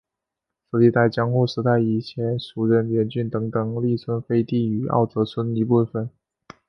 此地在江户时代以前属荏原郡等等力村飞地与奥泽村一部分。